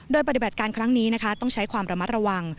โดยปฏิบัติการครั้งนี้นะคะต้องใช้ความระมัดระวัง